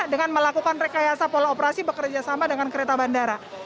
dengan melakukan rekayasa pola operasi bekerjasama dengan kereta bandara